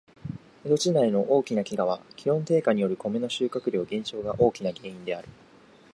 江戸時代の大きな飢饉は、気温低下によるコメの収穫量減少が大きな原因である。